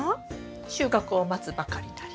収穫を待つばかりなり。